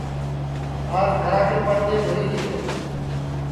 آج گھرا کے پڑدے دھوئیری ہے